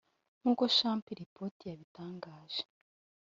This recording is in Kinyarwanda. nkuko Chimp reports yabitangaje